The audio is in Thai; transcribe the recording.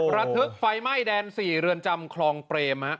ระทึกไฟไหม้แดน๔เรือนจำคลองเปรม